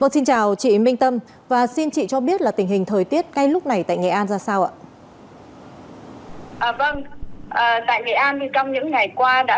xin chào chị minh tâm và xin chị cho biết là tình hình thời tiết ngay lúc này tại nghệ an ra sao ạ